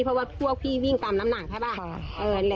เพราะว่าพวกพี่วิ่งตามน้ำหนักใช่ป่ะ